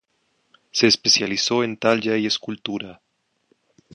Se especializó en talla y escultura.